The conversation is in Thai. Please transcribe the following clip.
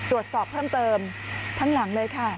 รับสอบเพิ่มทั้งหลังเลยค่า